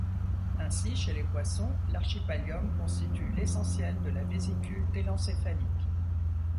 Ainsi, chez les poissons, l'archipallium constitue l'essentiel de la vésicule télencéphalique.